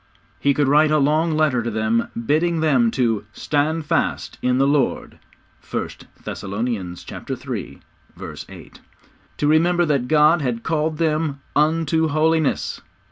He could write a long letter to them, bidding them to 'Stand fast in the Lord.' (1 Thessalonians iii. 8.) To remember that God had called them 'unto Holiness.'